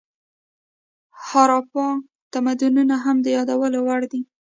هاراپا تمدنونه هم د یادولو وړ دي.